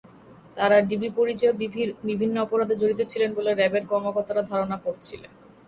তাঁরা ডিবি পরিচয়ে বিভিন্ন অপরাধে জড়িত ছিলেন বলে র্যাবের কর্মকর্তারা ধারণা করেছিলেন।